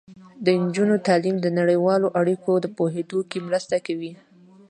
د نجونو تعلیم د نړیوالو اړیکو په پوهیدو کې مرسته کوي.